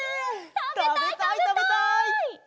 たべたいたべたい！